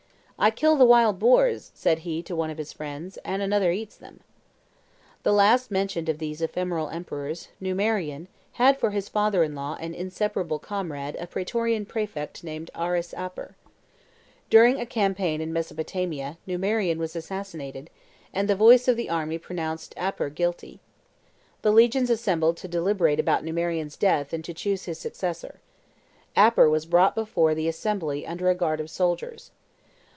"I kill the wild boars," said he to one of his friends, "and another eats them." The last mentioned of these ephemeral emperors, Numerian, had for his father in law and inseparable comrade a Praetorian prefect named Arrius Aper. During a campaign in Mesopotamia Numerian was assassinated, and the voice of the army pronounced Aper guilty. The legions assembled to deliberate about Numerian's death and to choose his successor. Aper was brought before the assembly under a guard of soldiers.